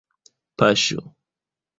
paŝo